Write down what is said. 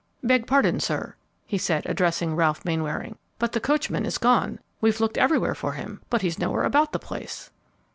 "Beg pardon, sir," he said, addressing Ralph Mainwaring; "but the coachman is gone! We've looked everywhere for him, but he's nowhere about the place."